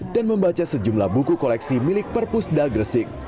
dan membaca sejumlah buku koleksi milik perpustakaan daerah gresik